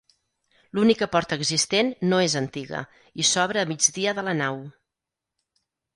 L'única porta existent no és antiga i s'obre a migdia de la nau.